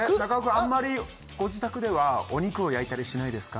あんまりご自宅ではお肉を焼いたりしないですか？